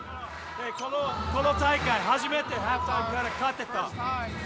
この大会初めて、ハーフタイムまで勝てた。